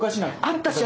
あったし